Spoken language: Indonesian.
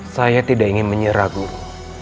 saya tidak ingin menyerah guru